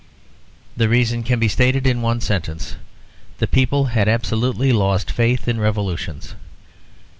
The reason can be stated in one sentence. The people had absolutely lost faith in revolutions.